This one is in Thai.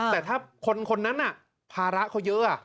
แต่ถ้าคนนั้นภาระเขาเยอะ